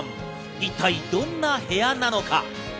一体どんな部屋なのか？